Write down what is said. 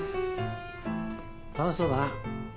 楽しそうだな。